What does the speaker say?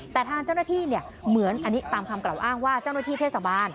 แต่ทางเจ้าหน้าที่เนี่ยเหมือนอันนี้ตามคำกล่าวอ้างว่าเจ้าหน้าที่เทศบาล